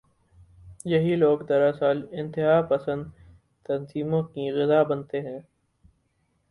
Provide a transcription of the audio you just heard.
یہی لوگ دراصل انتہا پسند تنظیموں کی غذا بنتے ہیں۔